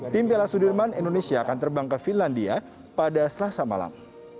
tim piala sudirman indonesia akan terbang ke finlandia pada selasa malam